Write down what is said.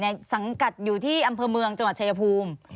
สังกัดอยู่ที่อำเภอเมืองจังหวัดชายภูมิ